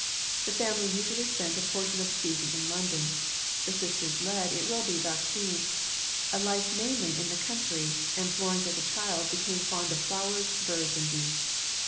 The family usually spent a portion of the season in London. The sisters led, it will thus be seen, a life mainly in the country, and Florence as a child became fond of flowers, birds, and beasts.